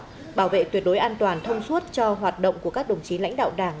bảo vệ tuyệt đối an toàn thông suốt cho hoạt động của các đồng chí lãnh đạo đảng